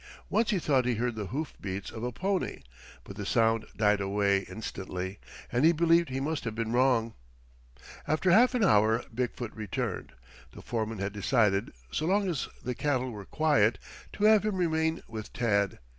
Once he thought he heard the hoof beats of a pony. But the sound died away instantly, and he believed he must have been wrong. After half an hour Big foot returned. The foreman had decided, so long as the cattle were quiet, to have him remain with Tad.